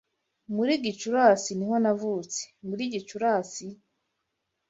Muri Gicurasi niho navutse muri Gicurasi?